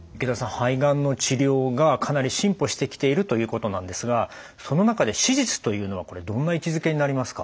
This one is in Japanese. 肺がんの治療がかなり進歩してきているということなんですがその中で手術というのはこれどんな位置づけになりますか？